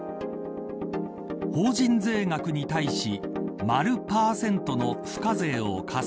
法人税額に対し〇％の付加税を課す。